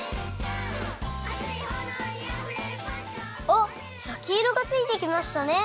おっやきいろがついてきましたね。